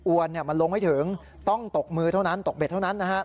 วนมันลงไม่ถึงต้องตกมือเท่านั้นตกเบ็ดเท่านั้นนะฮะ